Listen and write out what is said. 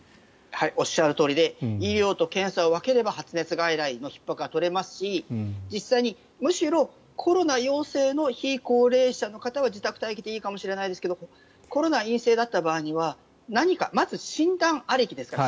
おっしゃるとおりで医療と検査を分ければ発熱外来のひっ迫は取れますし実際にむしろコロナ陽性の非高齢者の方は自宅待機でいいかもしれないですがコロナ陰性だった場合には何か、まず診断ありきですから。